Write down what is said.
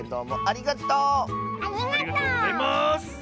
ありがとうございます！